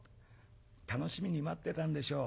楽しみに待ってたんでしょう。